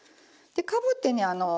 でかぶってね